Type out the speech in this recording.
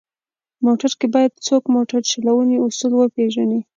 موټر کې باید څوک موټر چلونې اصول وپېژني.